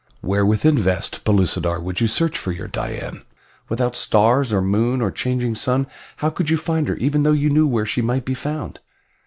"Where within vast Pellucidar would you search for your Dian? Without stars, or moon, or changing sun how could you find her even though you knew where she might be found?"